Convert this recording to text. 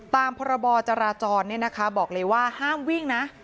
ตามพรบจราจรเนี่ยนะคะบอกเลยว่าห้ามวิ่งนะ